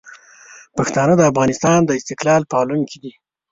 پښتانه د افغانستان د استقلال پالونکي دي.